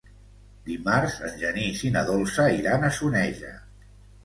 Dimarts en Genís i na Dolça iran a Soneja.